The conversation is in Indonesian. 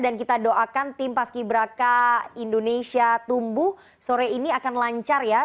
dan kita doakan tim paski braka indonesia tumbuh sore ini akan lancar ya